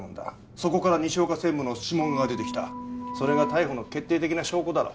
そこから西岡専務の指紋が出たそれが逮捕の決定的な証拠だろ？